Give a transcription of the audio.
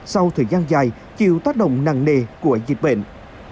sau thời gian dài chịu tác động nặng nề của dịch bệnh